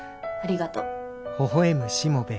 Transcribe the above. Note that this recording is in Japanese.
ありがとう。